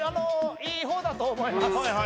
いい方だと思います。